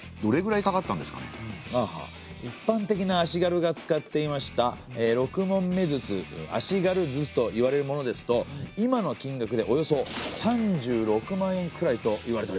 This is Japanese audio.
いっぱんてきな足軽が使っていました六匁筒足軽筒といわれるものですと今の金額でおよそ３６万円くらいといわれております。